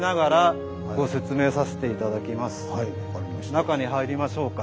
中に入りましょうか。